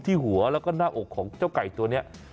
ที่หัวแล้วก็หน้าอกของเจ้าไก่ตัวนี้